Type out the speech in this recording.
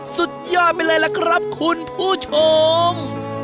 สุดยอดไปเลยล่ะครับคุณผู้ชม